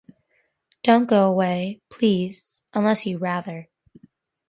Don't go away, please, unless you'd rather.